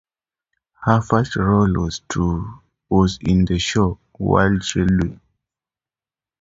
Her first role was in the show "Wild Child Lu".